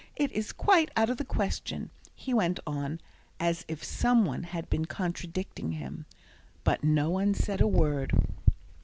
It is quite out of the question," he went on, as if some one had been contradicting him. But no one said a word.